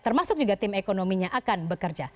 termasuk juga tim ekonominya akan bekerja